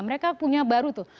mereka punya baru tuh